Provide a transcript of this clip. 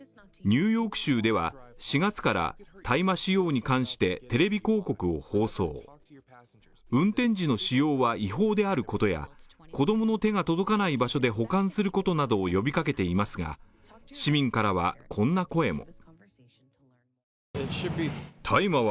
ニューヨーク州では４月から大麻使用に関して、テレビ広告を放送、運転時の使用は違法であることや、子供の手が届かない場所で保管することなどを呼びかけていますが、市民からはこんな声も。